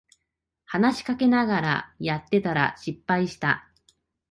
話しかけられながらやってたら失敗した